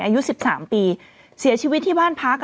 อายุ๑๓ปีเสียชีวิตที่บ้านพัก